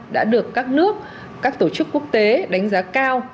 đã được các nước các tổ chức quốc tế đánh giá cao